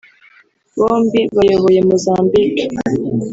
bombi bayoboye Mozambique